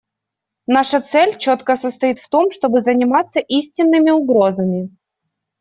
Наша цель четко состоит в том, чтобы заниматься истинными угрозами.